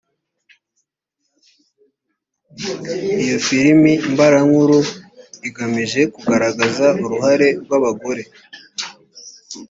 iyo filimi mbarankuru igamije kugaragaza uruhare rw abagore